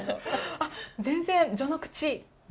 あっ、全然序の口？